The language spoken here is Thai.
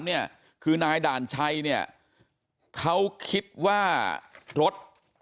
ไล่คืนายด่านช้ายเนี่ยเขาคิดว่ารถ